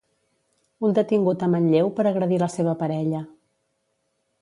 Un detingut a Manlleu per agredir la seva parella.